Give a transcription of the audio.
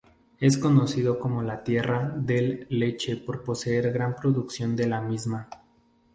Es conocido como la Tierra del Leche por poseer gran producción de la misma.